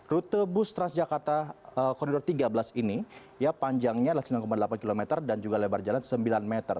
rute bus transjakarta koridor tiga belas ini panjangnya adalah sembilan delapan km dan juga lebar jalan sembilan meter